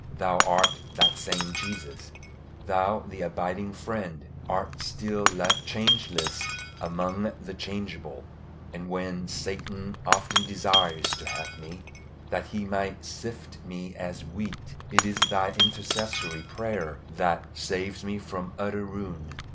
Thou art "that same Jesus;" Thou, the abiding Friend, art still left changeless among the changeable; and when Satan often desires to have me, that he might sift me as wheat, it is Thy intercessory prayer that saves me from utter ruin.